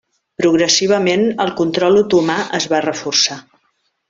Progressivament el control otomà es va reforçar.